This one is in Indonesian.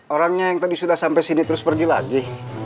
orangnya yang tadi sudah sampai sini terus pergi lagi